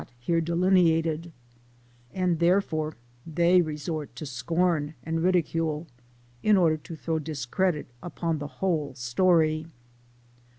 here delineated, and therefore they resort to scorn and ridicule, in order to throw discredit upon the whole story.